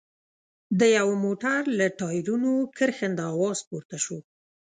د يوه موټر له ټايرونو کرښنده اواز پورته شو.